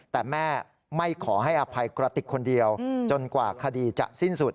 แต่แม่ไม่ขอให้อภัยกระติกคนเดียวจนกว่าคดีจะสิ้นสุด